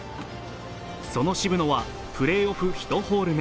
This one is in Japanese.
その渋野はプレーホール１ホール目